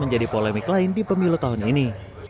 menjadi polemik lain di pemilu tahun ini